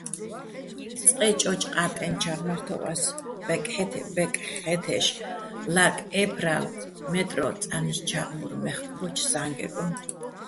წყე ჭოჭოყა́ტტენჩო̆ ჩა́ღმართო́ვას ბეკხე́თეშ ლარკ ჺე́ფრალო̆ მე́ტრო წანი́შ ჩა́ღმურ მე́ხკბოჩო̆ ზა́ნგეგო.